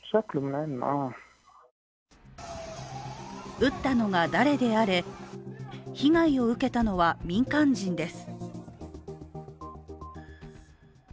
撃ったのが誰であれ、被害を受けたのは民間人です。